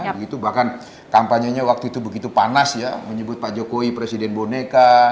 begitu bahkan kampanyenya waktu itu begitu panas ya menyebut pak jokowi presiden boneka